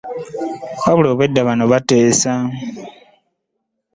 Wabula obwedda bano bateesa